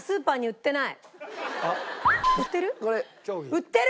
売ってる？